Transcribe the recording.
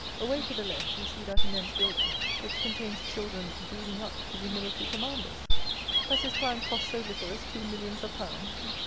Away to the left, we see that immense building, which contains children breeding up to be military commanders! Has this plan cost so little as two millions of pounds?